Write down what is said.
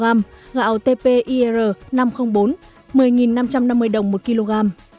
giá gạo tpir năm trăm linh bốn một mươi năm trăm năm mươi đồng một kg